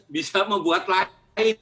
bisa membuat lain